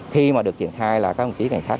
khi mà được triển khai là các ông chí cảnh sát